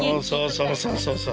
そうそうそうそう。